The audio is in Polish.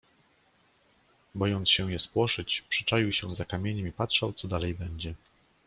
"Bojąc się je spłoszyć, przyczaił się za kamieniem i patrzał co dalej będzie."